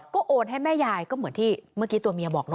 ก็โอนให้แม่ยายก็เหมือนที่เมื่อกี้ตัวเมียบอกเน